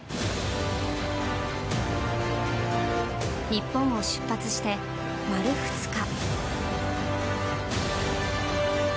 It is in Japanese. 日本を出発して丸２日。